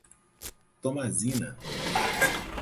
Tomazina